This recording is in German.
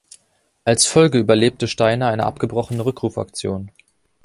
Als Folge überlebte Steiner eine abgebrochene Rückrufaktion.